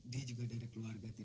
dia juga dari keluarga yang baik